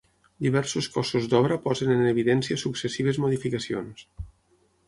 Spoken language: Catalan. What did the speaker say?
Diversos cossos d'obra posen en evidència successives modificacions.